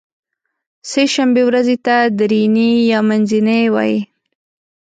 سې شنبې ورځې ته درینۍ یا منځنۍ وایی